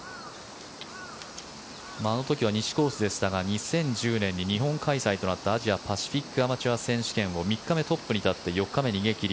あの時は西コースでしたが２０１０年に日本開催となったアジアパシフィックアマチュア選手権を３日目にトップに立って４日目逃げ切り。